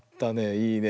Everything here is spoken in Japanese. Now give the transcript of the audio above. いいね。